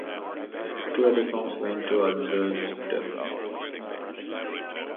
Two other sons went to Ulster.